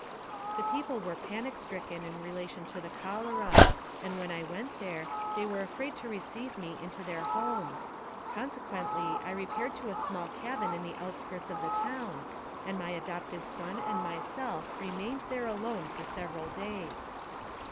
The people were panic stricken in relation to the cholera, and when I went there, they were afraid to receive me into their homes, consequently I repaired to a small cabin in the outskirts of the town, and my adopted son and myself remained there alone for several days.